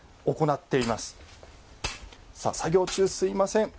作業中すいません。